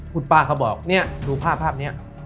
คุณป้าเขาบอกเน้ดูภาพเนี้ย